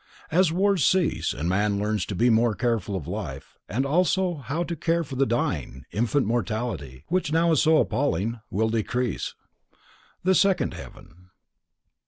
As wars cease, and man learns to be more careful of life, and also how to care for the dying, infant mortality, which now is so appalling, will decrease. _The Second Heaven.